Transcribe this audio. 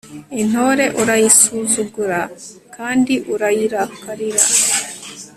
intore urayisuzugura kandi urayirakarira